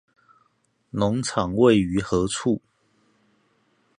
農場位於何處？